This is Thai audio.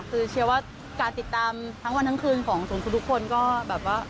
คือเชียร์ว่าการติดตามทั้งวันทั้งคืนของศูนย์ทุกคนก็แบบว่า